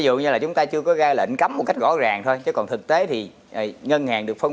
dù như là chúng ta chưa có ra lệnh cấm một cách rõ ràng thôi chứ còn thực tế thì ngân hàng được phân